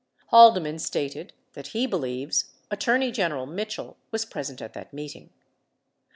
36 Haldeman stated that he believes Attorney General Mitchell was pres ent at that meeting.